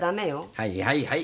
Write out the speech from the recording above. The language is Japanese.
はいはいはい。